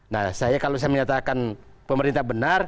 nah saya kalau saya menyatakan pemerintah benar